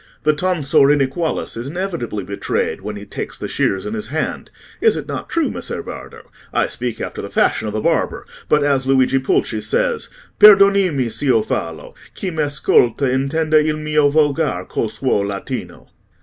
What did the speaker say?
The tonsor inequalis is inevitably betrayed when he takes the shears in his hand; is it not true, Messer Bardo? I speak after the fashion of a barber, but, as Luigi Pulci says— "'Perdonimi s'io fallo: chi m'ascolta Intenda il mio volgar col suo latino.